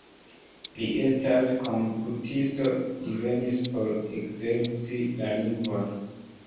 Li estas komputisto, li venis por ekzerci la lingvon.